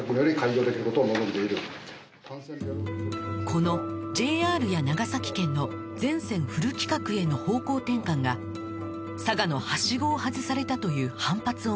この ＪＲ や長崎県の全線フル規格への方向転換が佐賀の「はしごを外された」という反発を招きます